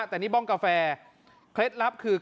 แต่นี่บ้องกาแฟเคล็ดลับคือ